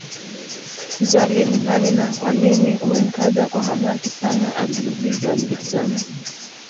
Zolin ni nani na kwanini umemtaja kwa hamaki sana aliuliza yule kijana